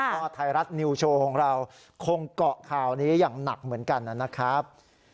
ก็ไทยรัฐนิวโชว์ของเราคงเกาะข่าวนี้อย่างหนักเหมือนกันนะครับ